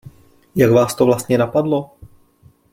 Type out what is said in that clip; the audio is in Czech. Jak vás to vlastně napadlo?